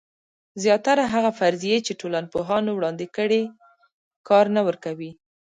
زیاتره هغه فرضیې چې ټولنپوهانو وړاندې کړي کار نه ورکوي.